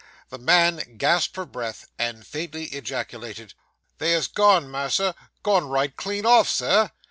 The man gasped for breath, and faintly ejaculated 'They ha' gone, mas'r! gone right clean off, Sir!